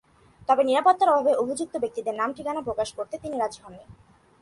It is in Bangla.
তবে নিরাপত্তার অভাবে অভিযুক্ত ব্যক্তিদের নাম-ঠিকানা প্রকাশ করতে তিনি রাজি হননি।